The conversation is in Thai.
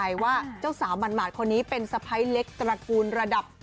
อะไรว่าเจ้าสาวหม่ัดคนนี้เป็นสภัยเล็กตระกูลระดับ